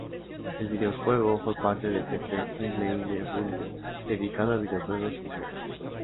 El videojuego fue parte del tercer Humble Indie Bundle dedicado a videojuegos indies.